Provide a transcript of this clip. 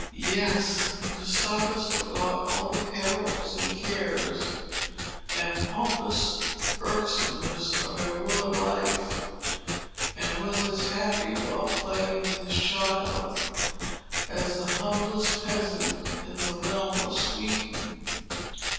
Yes; Gustavus forgot all the perils and cares and pompous irksomeness of a royal life, and was as happy, while playing with his child, as the humblest peasant in the realm of Sweden.